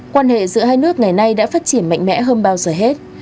quan hệ giữa hai nước ngày nay đã phát triển mạnh mẽ hơn bao giờ hết